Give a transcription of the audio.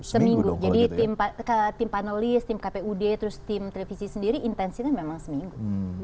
seminggu jadi tim panelis tim kpud terus tim televisi sendiri intensinya memang seminggu